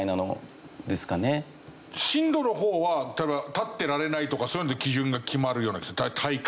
震度の方は例えば立ってられないとかそういうので基準が決まるような体感で。